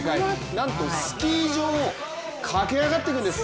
なんと、スキー場を駆け上がってくんです。